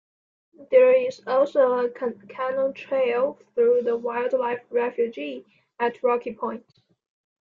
There is also a canoe trail through the wildlife refuge at Rocky Point.